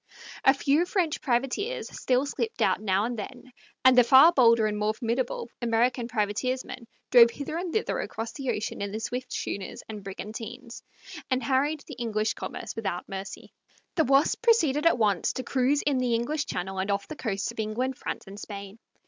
A few French privateers still slipped out now and then, and the far bolder and more formidable American privateersmen drove hither and thither across the ocean in their swift schooners and brigantines, and harried the English commerce without mercy. The Wasp proceeded at once to cruise in the English Channel and off the coasts of England, France, and Spain.